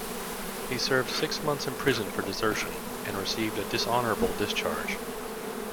He served six months in prison for desertion and received a dishonorable discharge.